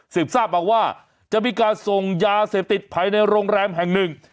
ทราบมาว่าจะมีการส่งยาเสพติดภายในโรงแรมแห่งหนึ่ง